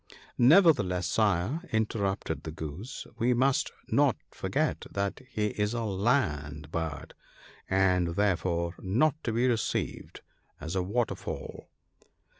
" Nevertheless, Sire," interrupted the Goose, " we must not forget that he is a land bird, and therefore not to be received as a water fowl.